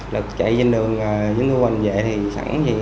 lực chạy trên đường chúng tôi quanh về sẵn gì